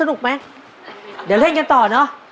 เดี๋ยวเล่นกันต่อนะ